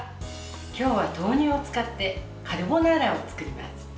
今日は豆乳を使ってカルボナーラを作ります。